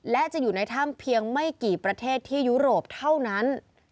และจะอยู่ในถ้ำเพียงไม่กี่ประเทศที่ยุโรปเท่านั้น